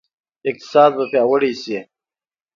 اقتصاد به پیاوړی شي؟